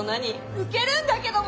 ウケるんだけども。